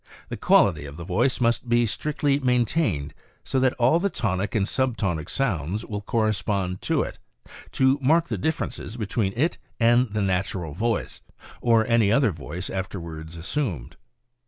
The quality of the voice must be strictly maintained, so that all the tonic and sub tonic sounds will correspond to it, to mark the differencs between it and the natural voice, or any other voice afterwards assumed.